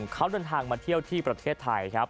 เขาเดินทางมาเที่ยวที่ประเทศไทยครับ